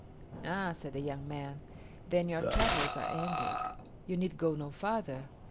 "Ah," said the young man, "then your travels are ended. You need go no farther.